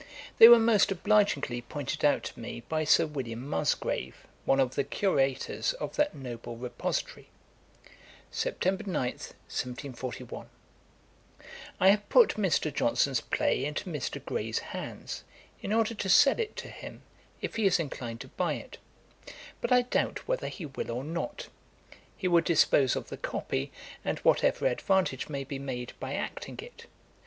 They were most obligingly pointed out to me by Sir William Musgrave, one of the Curators of that noble repository. [Page 153: Bibliotheca Harleiana. Ætat 32.] 'Sept. 9, 1741. 'I have put Mr. Johnson's play into Mr. Gray's hands, in order to sell it to him, if he is inclined to buy it; but I doubt whether he will or not. He would dispose of the copy, and whatever advantage may be made by acting it.